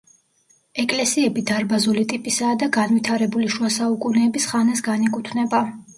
ეკლესიები დარბაზული ტიპისაა და განვითარებული შუა საუკუნეების ხანას განეკუთვნება.